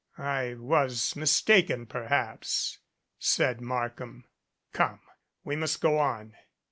I was mistaken, perhaps," said Markham. "Come, we must go on."